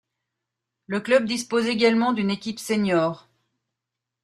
Le club dispose également d'une équipe senior.